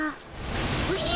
おじゃ！